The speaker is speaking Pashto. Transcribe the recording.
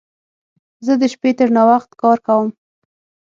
زه د شپې تر ناوخت کار کوم.